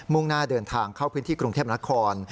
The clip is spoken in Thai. ่งหน้าเดินทางเข้าพื้นที่กรุงเทพนคร